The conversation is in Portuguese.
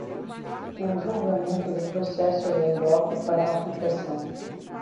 o julgamento de processos em bloco para aplicação